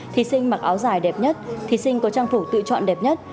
thí sinh mặc áo dài đẹp nhất thí sinh có trang phục tự chọn đẹp nhất